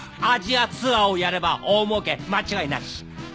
アジアツアーをやれば大もうけ間違いなし。